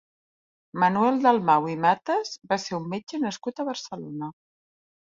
Manuel Dalmau i Matas va ser un metge nascut a Barcelona.